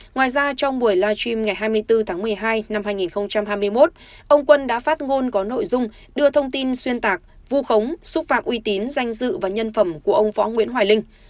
ngoài ra trong buổi live stream ngày hai mươi bốn tháng một mươi hai năm hai nghìn hai mươi một ông quân đã phát ngôn có nội dung đưa thông tin xuyên tạc vu khống xúc phạm uy tín danh dự và nhân phẩm của ông võ nguyễn hoài linh